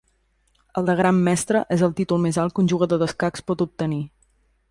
El de Gran Mestre és el títol més alt que un jugador d'escacs pot obtenir.